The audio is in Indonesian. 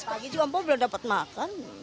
pagi juga mpo belum dapat makan